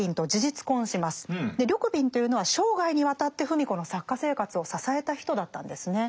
緑敏というのは生涯にわたって芙美子の作家生活を支えた人だったんですね。